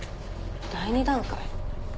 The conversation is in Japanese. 第２段階？